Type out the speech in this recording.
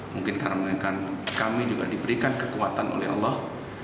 mungkin karena kami juga diberikan kekuatan oleh allah